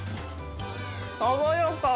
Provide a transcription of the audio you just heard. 爽やか。